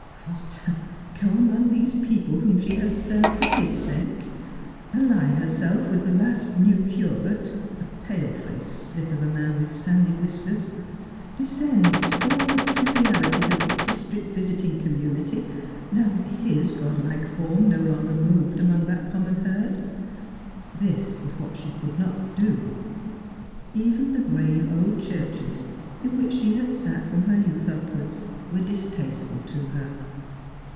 What ! go among these people whom she had served for his sake? Ally herself with the last new curate, a pale faced slip of a man with sandy whiskers ? Descend to all the trivialities of the district visiting community now that Ms godhke form no longer moved among that com mon herd ? This was what she could not do. Even the grave old churches, in which she had sat from her youth upwards, were distasteful to her.